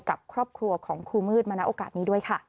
กับครอบครัวของครูมืดมาณโอกาสนี้ด้วยค่ะ